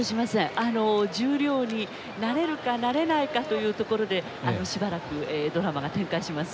十両になれるかなれないかというところでしばらくドラマが展開します。